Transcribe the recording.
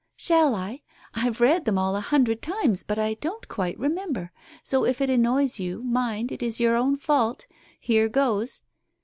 "Shall I? I've read them all a hundred times, but I don't quite remember, so if it annoys you, mind, it is your own fault. Here goes